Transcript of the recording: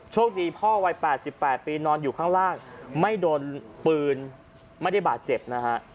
โชคดีพ่อวัย๘๘ปีนอนอยู่ข้างล่างไม่โดนปืนไม่ได้บาดเจ็บนะฮะ